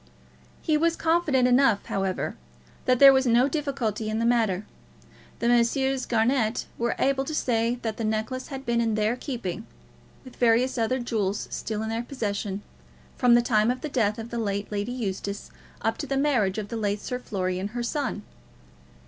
He was confident enough, however, that there was no difficulty in the matter. The Messrs. Garnett were able to say that the necklace had been in their keeping, with various other jewels still in their possession, from the time of the death of the late Lady Eustace, up to the marriage of the late Sir Florian, her son.